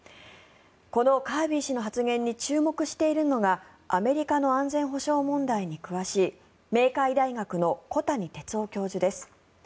このカービー氏の発言に注目しているのはアメリカの安全保障問題に詳しい明海大学の小谷哲男教授です。